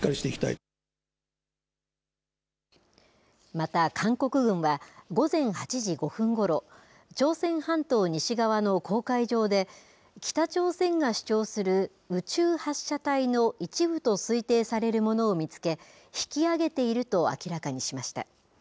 また韓国軍は、午前８時５分ごろ、朝鮮半島西側の黄海上で、北朝鮮が主張する宇宙発射体の一部と推定されるものを見つけ、引き上げていると明らかにしました。